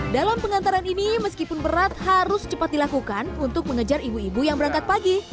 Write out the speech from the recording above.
dalam pengantaran ini meskipun berat harus cepat dilakukan untuk mengejar ibu ibu yang berangkat pagi